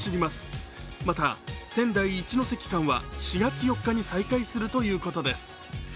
また、仙台−一ノ関間は４月４日に再開するということです。